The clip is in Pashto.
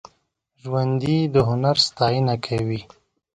ژوندي د هنر ستاینه کوي